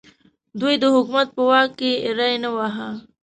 دوی د حکومت په واک کې ری نه واهه.